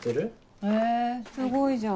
へぇすごいじゃん。